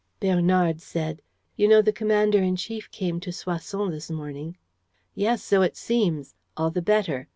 Bernard said: "You know the commander in chief came to Soissons this morning." "Yes, so it seems. All the better.